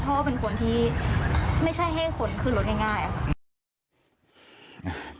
เพราะพ่อเป็นคนที่ไม่ใช่ให้ฝนขึ้นลดง่าย